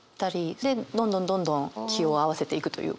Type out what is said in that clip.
でどんどんどんどん気を合わせていくというか。